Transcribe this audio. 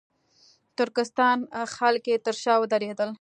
ترکستان خلک یې تر شا ودرېدل.